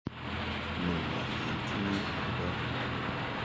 Mun ma yemti ni kɨ bə.